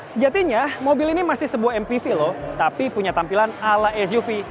sejatinya mobil ini masih sebuah mpv lho tapi punya tampilan ala suv